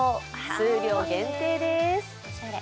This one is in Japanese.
数量限定です。